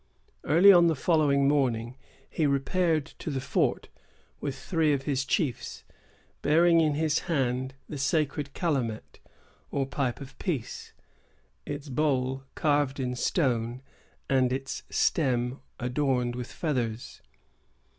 Early on the following morning, he repaired to the fort with three of his chiefs, bearing in his hand the sacred calumet, or pipe of peace, its bowl carved in stone, and its stem adorned with feathers.